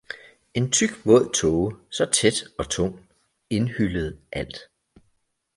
en tyk, våd tåge, så tæt og tung, indhyllede alt.